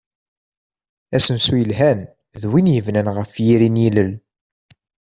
Asensu yelhan d win yebnan ɣef yiri n yilel.